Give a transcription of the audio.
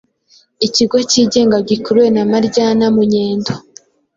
ikigo cyigenga gikuriwe na maryana munyendo